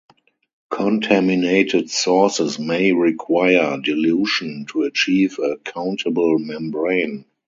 Contaminated sources may require dilution to achieve a "countable" membrane.